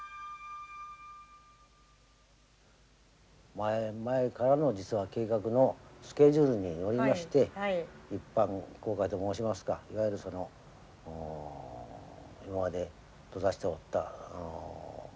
前々からの実は計画のスケジュールによりまして一般公開と申しますかいわゆるその今まで閉ざしておった文庫のね